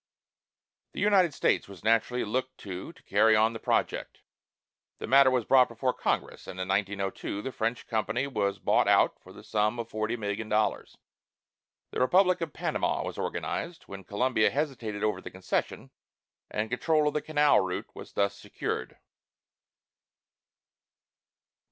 The United States was naturally looked to to carry on the project. The matter was brought before Congress, and in 1902 the French company was bought out for the sum of forty million dollars. The Republic of Panama was organized, when Colombia hesitated over the concession, and control of the canal route was thus secured.